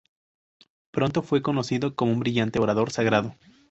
Pronto fue conocido como un brillante orador sagrado.